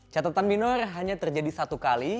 catatan minor hanya terjadi satu kali